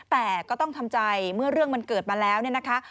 แต่ก็ต้องทำใจเมื่อเรื่องมันเกิดมาแล้วเนี่ยนะคะ